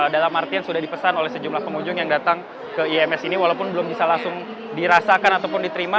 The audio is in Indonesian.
dalam artian sudah dipesan oleh sejumlah pengunjung yang datang ke ims ini walaupun belum bisa langsung dirasakan ataupun diterima